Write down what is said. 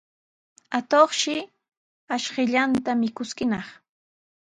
Atuqshi ashkallanta mikuskinaq.